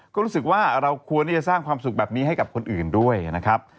ก็รู้สึกว่าเราควรที่จะสร้างความสุขแบบนี้ให้กับคนอื่นด้วยนะครับ